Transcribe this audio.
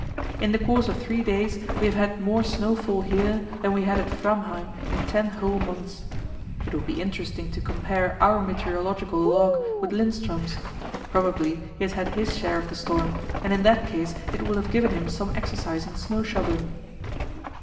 In the course of three days we have had more snowfall here than we had at Framheim in ten whole months. It will be interesting to compare our meteorological log with Lindström's; probably he has had his share of the storm, and in that case it will have given him some exercise in snow shovelling.